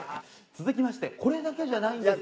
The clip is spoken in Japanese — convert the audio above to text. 続きましてこれだけじゃないんです